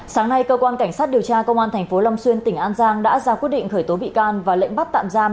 sáng nay cơ quan cảnh sát điều tra công an tp long xuyên tỉnh an giang đã ra quyết định khởi tố bị can và lệnh bắt tạm giam